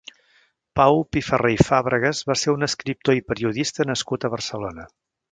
Pau Piferrer i Fàbregas va ser un escriptor i periodista nascut a Barcelona.